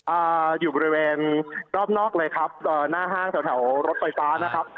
อ่าอยู่บริเวณรอบนอกเลยครับเอ่อหน้าห้างแถวแถวรถไฟฟ้านะครับ